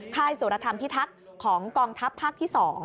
ค่ายสุรธรรมพิทักษ์ของกองทัพภาคที่๒